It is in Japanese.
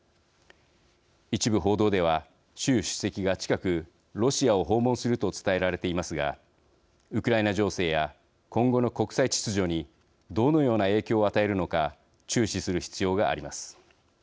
一部報道では、習主席が近くロシアを訪問すると伝えられていますがウクライナ情勢や今後の国際秩序にどのような影響を与えるのか注視する必要があります。